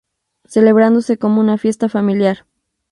Celebrándose como una fiesta familiar.